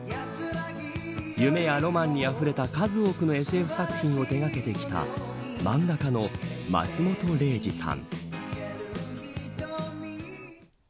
夢やロマンに溢れた数多くのＳＦ作品を手掛けてきた漫画家の松本零士さん。